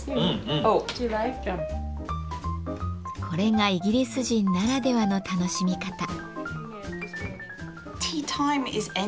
これがイギリス人ならではの楽しみ方。